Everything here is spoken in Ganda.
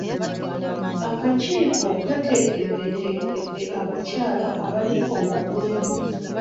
Akakiiko kateekeddeteekedde abakyala abaliko obulemu.